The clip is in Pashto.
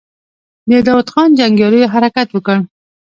د داوود خان جنګياليو حرکت وکړ.